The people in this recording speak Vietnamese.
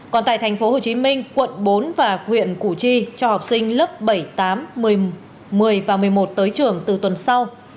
còn tại tp hcm quận bốn và huyện củ chi cho học sinh lớp bảy tám một mươi và một mươi một tới trường từ tuần sau